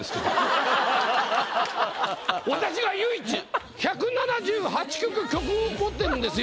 私が唯一１７８曲曲を持ってるんですよ。